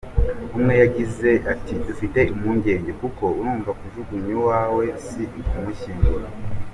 Umwe yagize ati “ Dufite impungenge kuko urumva nko kujugunya uwawe, si ukumushyingura.